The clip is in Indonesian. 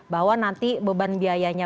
bahwa nanti beban biayanya